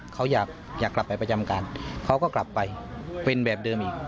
เขาอยากกลับไปประจำการเขาก็กลับไปเป็นแบบเดิมอีก